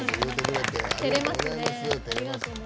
てれますね。